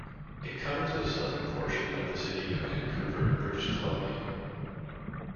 It covers the southern portion of the city of Vancouver, British Columbia.